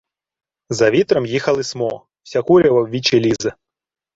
— За вітром їхали смо. Вся курява в вічі лізе.